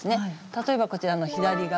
例えば、こちらの左側。